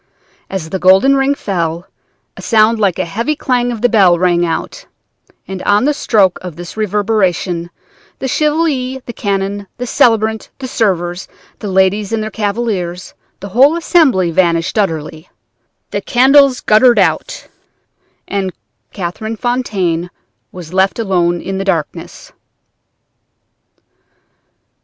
As the golden ring fell, a sound like the heavy clang of a bell rang out, and on the stroke of this reverberation the Chevalier, the canon, the celebrant, the servers, the ladies and their cavaliers, the whole assembly vanished utterly; the candles guttered out, and Catherine Fontaine was left alone in the darkness."